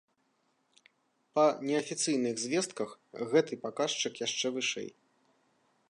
Па неафіцыйных звестках, гэты паказчык яшчэ вышэй.